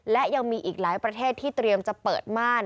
และยังมีอีกหลายประเทศที่เตรียมจะเปิดม่าน